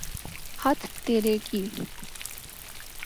ہت تیرے کی!